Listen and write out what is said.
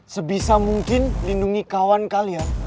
sebisa mungkin lindungi kawan kalian